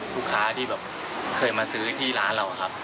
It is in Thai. ลูกค้าที่แบบเคยมาซื้อที่ร้านเราครับ